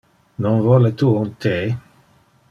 Non vole tu un the?